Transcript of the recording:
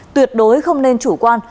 tuyệt đối không nên chủ quan